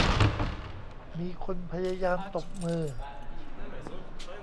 มีคนพยายามตบมือ